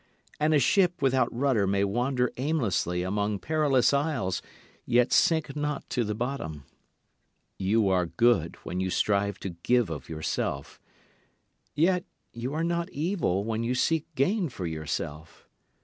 And a ship without rudder may wander aimlessly among perilous isles yet sink not to the bottom. You are good when you strive to give of yourself. Yet you are not evil when you seek gain for yourself.